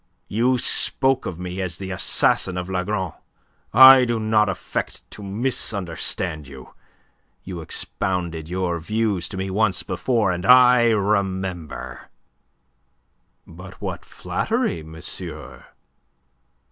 "You spoke of me as the assassin of Lagron. I do not affect to misunderstand you. You expounded your views to me once before, and I remember." "But what flattery, monsieur!"